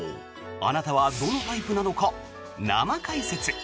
あなたはどのタイプなのか生解説。